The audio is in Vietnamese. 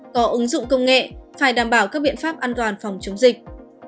có ứng dụng công nghệ phải đảm bảo các biện pháp an toàn phòng chống dịch